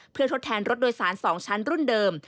เพื่อทดแทนรถโดยสาร๒ชั้นรุ่นเดิม